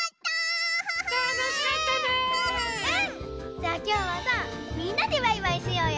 じゃあきょうはさみんなでバイバイしようよ。